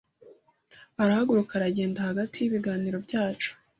Arahaguruka aragenda hagati y'ibiganiro byacu.